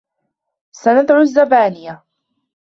سندع الزبانية